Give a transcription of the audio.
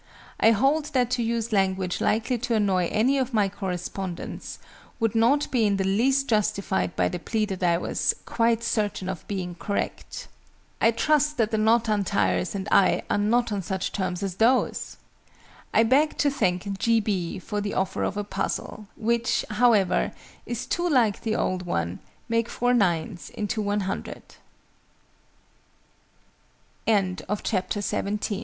I hold that to use language likely to annoy any of my correspondents would not be in the least justified by the plea that I was "quite certain of being correct." I trust that the knot untiers and I are not on such terms as those! I beg to thank G. B. for the offer of a puzzle which, however, is too like the old one "Make four 9's into 100." ANSWERS TO KNOT VIII. § 1.